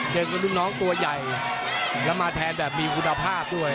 เจอกับลูกน้องตัวใหญ่แล้วมาแทนแบบมีคุณภาพด้วย